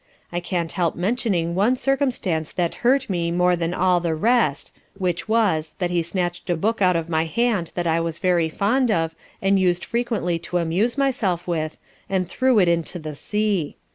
I can't help mentioning one circumstance that hurt me more than all the rest, which was, that he snatched a book out of my hand that I was very fond of, and used frequently to amuse myself with, and threw it into the sea.